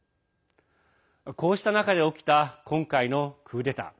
こうした中で起きた今回のクーデター。